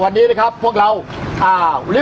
สวัสดีครับวันนี้ชัพเบียนเอ้าเฮ้ย